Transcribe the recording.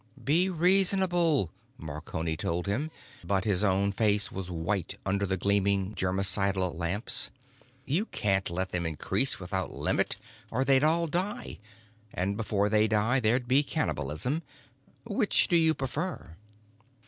"Be reasonable," Marconi told him—but his own face was white under the glaring germicidal lamps. "You can't let them increase without limit or they'd all die. And before they died there'd be cannibalism. Which do you prefer?"